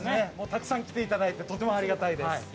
たくさん来ていただいて、ありがたいです。